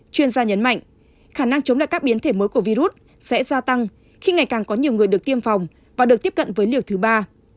chuyên gia nhấn mạnh khả năng chống lại các biến thể mới của virus sẽ gia tăng khi ngày càng có nhiều người được tiêm phòng và được tiếp cận với liều thứ ba